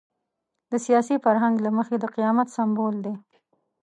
د سیاسي فرهنګ له مخې د قیامت سمبول دی.